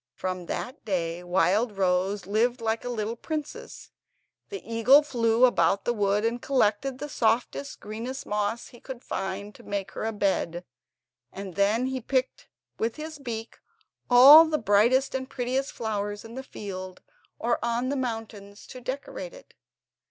From that day Wildrose lived like a little princess. The eagle flew about the wood and collected the softest, greenest moss he could find to make her a bed, and then he picked with his beak all the brightest and prettiest flowers in the fields or on the mountains to decorate it.